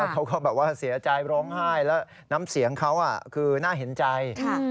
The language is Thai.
เขาก็แบบว่าเสียใจร้องไห้แล้วน้ำเสียงเขาคือน่าเห็นใจ